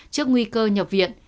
trước nguy cơ nhập viện